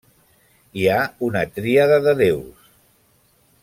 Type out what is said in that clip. Hi ha una tríada de déus.